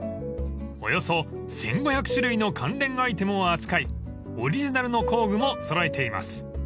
［およそ１，５００種類の関連アイテムを扱いオリジナルの工具も揃えています］